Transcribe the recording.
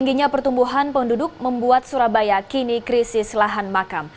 tingginya pertumbuhan penduduk membuat surabaya kini krisis lahan makam